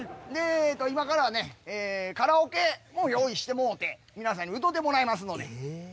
今からカラオケを用意してもうて皆さんに歌うてもらいますので。